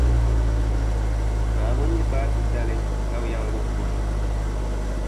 Naawuni yi paati dali, ka be yɛn wuhi buni.